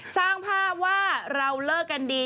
สร้างภาพว่าเราเลิกกันดี